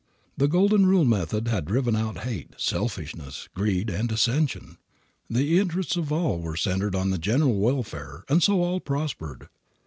The Golden Rule method had driven out hate, selfishness, greed and dissension. The interests of all were centered on the general welfare, and so all prospered.